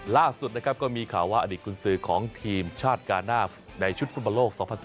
ล่าสุดนะครับก็มีข่าวว่าอดีตกุญสือของทีมชาติกาหน้าในชุดฟุตบอลโลก๒๐๑๙